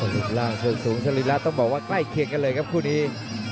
รูปร่างส่วนสูงสรีระต้องบอกว่าใกล้เคียงกันเลยครับคู่นี้